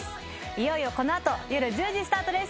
いよいよこのあと夜１０時スタートです